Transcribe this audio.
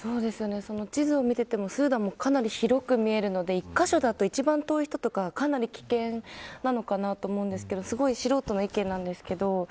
地図を見ていてもスーダンもかなり広く見えるので１カ所だと一番遠い人とかかなり危険なのかなと思うんですけどすごい素人の意見なんですけど。